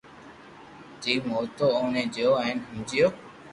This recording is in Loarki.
جيم ھوئو اوني جويو ھين ھمجيو